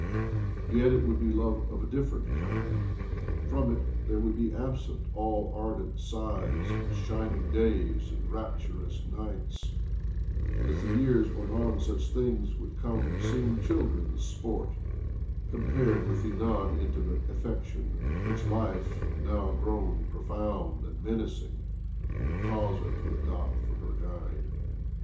Yet it would be love of a different kind. From it there wpuld be absent all arde'nt sighs and shining days and raptutous nigihts ; as the years went on such things would come to seem children's sport com pared with the non intimate affection which life, now grown profound and menacing, would cause her to adopt for her guide.